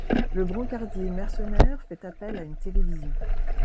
Le brancardier mercenaire fait appel à une télévision.